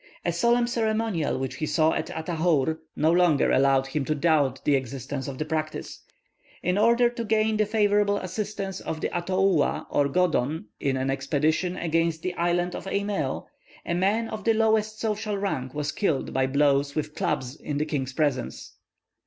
A solemn ceremonial which he saw at Atahour, no longer allowed him to doubt the existence of the practice. In order to gain the favourable assistance of the Atoua or Godon in an expedition against the island of Eimèo, a man of the lowest social rank was killed by blows with clubs in the king's presence.